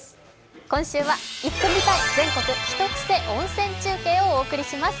今週は行ってみたい全国ヒト癖温泉中継をお送りします。